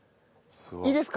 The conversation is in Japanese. いいですか？